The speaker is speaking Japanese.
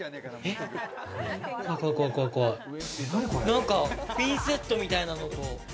なんかピンセットみたいなの。